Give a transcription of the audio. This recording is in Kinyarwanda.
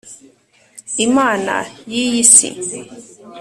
imana y iyi si